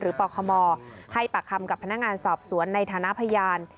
ปคมให้ปากคำกับพนักงานสอบสวนในฐานะพยาน